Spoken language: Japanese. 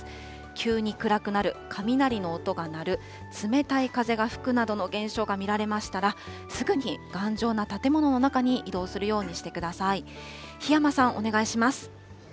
急に暗くなる、雷の音が鳴る、冷たい風が吹くなどの現象が見られましたら、すぐに頑丈な建物の中に移動するようにしてください。